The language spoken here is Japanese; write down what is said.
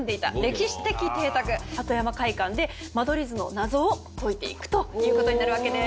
鳩山会館で間取り図の謎を解いていくということになるわけです。